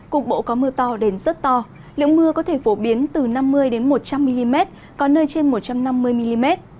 cục bộ có mưa to đến rất to lượng mưa có thể phổ biến từ năm mươi một trăm linh mm có nơi trên một trăm năm mươi mm